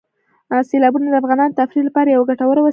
سیلابونه د افغانانو د تفریح لپاره یوه ګټوره وسیله ده.